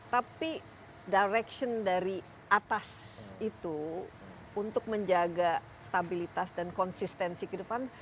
tapi arah dari atas itu untuk menjaga stabilitas dan konsistensi kehidupan